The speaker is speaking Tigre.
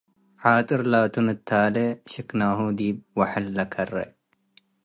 ሓጥር ላቱ ንታሌ ሽክንሁ ዲብ ወሐል ለከሬ